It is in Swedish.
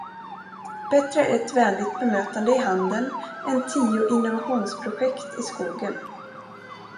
Bättre ett vänligt bemötande i handen än tio innovationsprojekt i skogen.